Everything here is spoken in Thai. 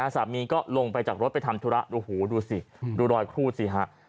สามีก็ลงไปจากรถไปทำธุระโอ้โหดูสิดูรอยครูดสิฮะ